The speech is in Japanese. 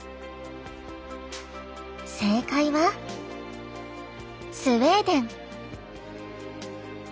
正解はスウェーデン。